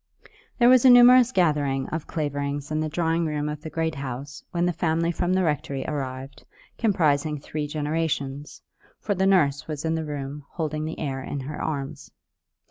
There was a numerous gathering of Claverings in the drawing room of the Great House when the family from the rectory arrived comprising three generations; for the nurse was in the room holding the heir in her arms.